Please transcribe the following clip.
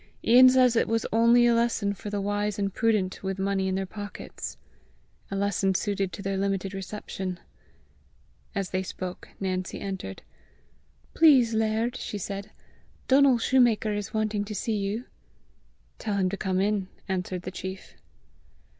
Ian says it was only a lesson for the wise and prudent with money in their pockets a lesson suited to their limited reception!" As they spoke, Nancy entered. "Please, laird," she said, "Donal shoemaker is wanting to see you." "Tell him to come in," answered the chief.